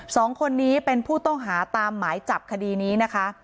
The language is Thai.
สองคนนี้เป็นผู้ต้องหาตามหมายจับคดีนี้นะคะ